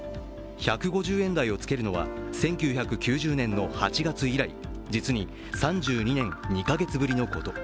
１５０円台をつけるのは１９９０年の８月以来、実に３２年２か月ぶりのこと。